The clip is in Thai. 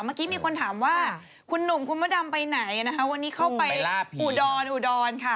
เมื่อกี้มีคนถามว่าคุณหนุ่มคุณพระดำไปไหนนะคะวันนี้เข้าไปอุดรอุดรค่ะ